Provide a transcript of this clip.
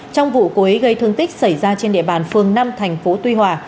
trong vụ cô ấy gây thương tích xảy ra trên địa bàn phường năm thành phố tuy hòa